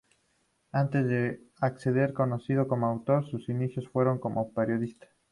Antes de hacerse conocido como autor, sus inicios fueron como periodista.